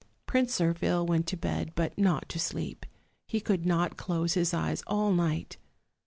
Prince Zirphil went to bed, but not to sleep: he could not close his eyes all night.